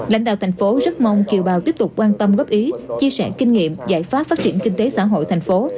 lãnh đạo thành phố rất mong kiều bào tiếp tục quan tâm góp ý chia sẻ kinh nghiệm giải pháp phát triển kinh tế xã hội thành phố